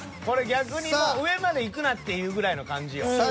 これ逆にもう上までいくなっていうぐらいの感じよ。